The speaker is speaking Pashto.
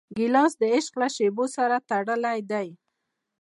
ګیلاس د عشق له شېبو سره تړلی دی.